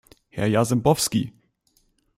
Herr Jarzembowski!